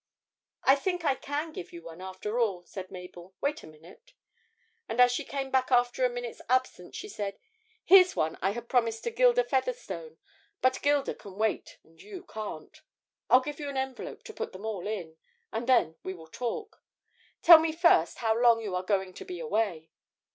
'I think I can give you one after all,' said Mabel; 'wait a minute.' And as she came back after a minute's absence she said, 'Here's one I had promised to Gilda Featherstone, but Gilda can wait and you can't. I'll give you an envelope to put them all in, and then we will talk. Tell me first how long you are going to be away?'